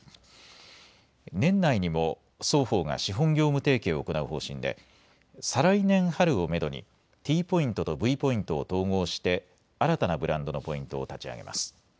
年内にも双方が資本業務提携を行う方針で再来年春をめどにＴポイントとＶポイントを統合して新たなブランドのポイントを立ち上げます。